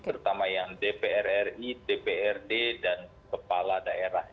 terutama yang dpr ri dprd dan kepala daerah